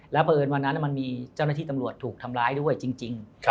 เพราะเอิญวันนั้นมันมีเจ้าหน้าที่ตำรวจถูกทำร้ายด้วยจริง